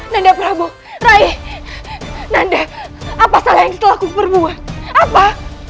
nanda prabu rai nanda apa salah yang setelah kuperbuat apa